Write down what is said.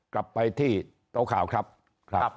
กลับไปที่โต๊ะข่าวครับ